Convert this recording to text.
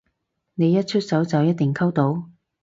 你一出手就一定溝到？